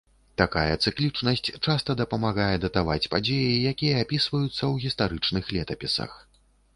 Такая цыклічнасць часта дапамагае датаваць падзеі, якія апісваюцца ў гістарычных летапісах.